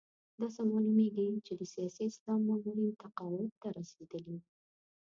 داسې معلومېږي چې د سیاسي اسلام مامورین تقاعد ته رسېدلي.